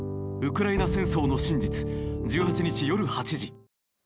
ウクライナ戦争の真実１８日夜８時。